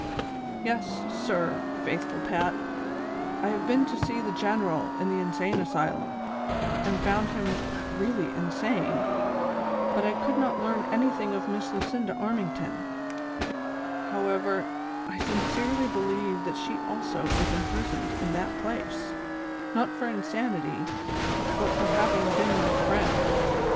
" Yes, sir, faithful Pat, I have been to see the general in the insane asylum, and found him really insane, but I could not learn anything of Miss Lucinda Armington ; however, I sincerely believe that she also is imprisoned in that place, not for insanity, but for having been my friend.